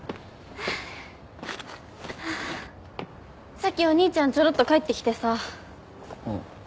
さっきお兄ちゃんちょろっと帰ってきてさ。